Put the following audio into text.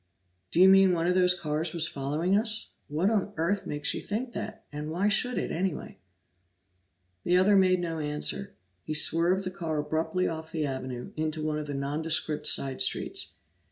"Do you mean one of those cars was following us? What on earth makes you think that, and why should it, anyway?" The other made no answer; he swerved the car abruptly off the avenue, into one of the nondescript side streets.